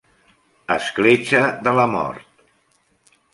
Escletxa de la mort